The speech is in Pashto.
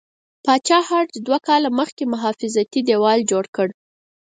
پاچا هرډ دوه زره کاله مخکې محافظتي دیوال جوړ کړ.